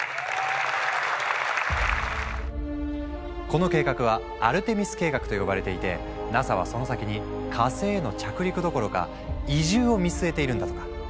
この計画は「アルテミス計画」と呼ばれていてＮＡＳＡはその先に火星への着陸どころか移住を見据えているんだとか。